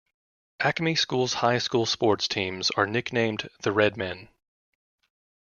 Acme School's high school sports teams are nicknamed the Redmen.